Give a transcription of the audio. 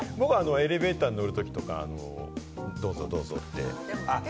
エレベーターに乗るときとか、どうぞどうぞって。